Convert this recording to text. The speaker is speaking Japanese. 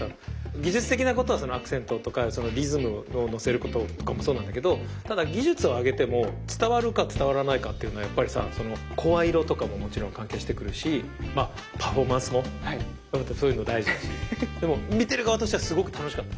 技術的なことはそのアクセントとかそのリズムをのせることとかもそうなんだけどただ技術を上げても伝わるか伝わらないかっていうのはやっぱりさその声色とかももちろん関係してくるしまあパフォーマンスもそういうの大事だしでも見てる側としてはすごく楽しかった。